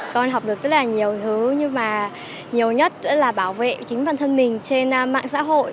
con học được rất là nhiều thứ nhưng mà nhiều nhất nữa là bảo vệ chính bản thân mình trên mạng xã hội